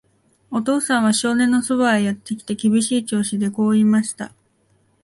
お父さんは少年のそばへやってきて、厳しい調子でこう言いました。